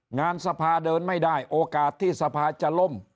งานสภาเดินไม่ได้โอกาสที่สภาจะล่ม